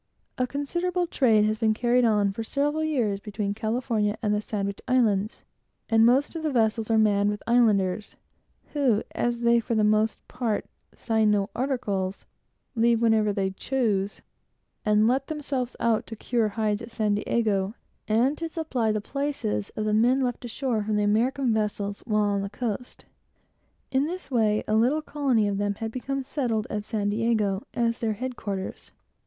A considerable trade has been carried on for several years between California and the Sandwich Islands, and most of the vessels are manned with Islanders; who, as they, for the most part, sign no articles, leave whenever they choose, and let themselves out to cure hides at San Diego, and to supply the places of the men of the American vessels while on the coast. In this way, quite a colony of them had become settled at San Diego, as their headquarters.